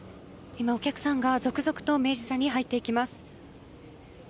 今、お客さんが続々と明治座に入っていきます。